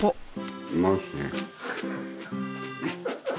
うまいっすね。